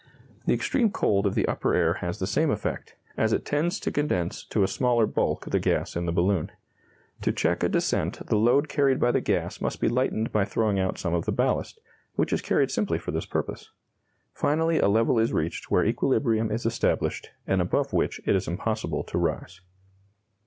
The extreme cold of the upper air has the same effect, as it tends to condense to a smaller bulk the gas in the balloon. To check a descent the load carried by the gas must be lightened by throwing out some of the ballast, which is carried simply for this purpose. Finally a level is reached where equilibrium is established, and above which it is impossible to rise.